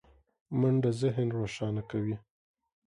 منډه ذهن روښانه کوي